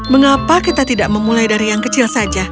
mengapa kita tidak memulai dari yang kecil saja